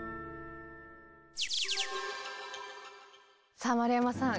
さあ丸山さん